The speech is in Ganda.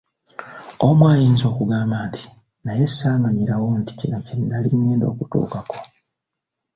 Omu ayinza okugamba nti, "Naye saamanyirawo nti kino kye nnali ngenda okutuukako.!